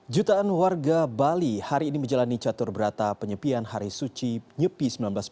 jutaan warga bali hari ini menjalani catur berata penyepian hari suci nyepi seribu sembilan ratus empat puluh lima